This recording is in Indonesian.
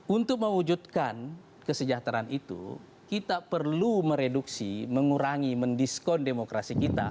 untuk mewujudkan kesejahteraan itu kita perlu mereduksi mengurangi mendiskon demokrasi kita